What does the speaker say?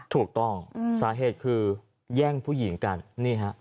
ถูกต้องสาเหตุคือแย่งผู้หญิงกันนี่ฮะ